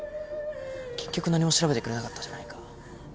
結局何も調べてくれなかったじゃないか。